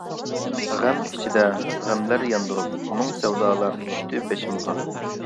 غەم ئىچىدە غەملەر ياندۇرۇپ، مىڭ سەۋدالار چۈشتى بېشىمغا.